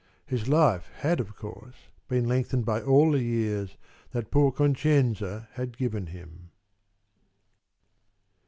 His life had of course been lengthened by all the years that poor Concenza had given him.